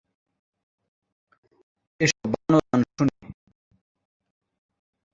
সিরিজে তিনি দুই ওভার বোলিং করলেও কোন সফলতা পাননি।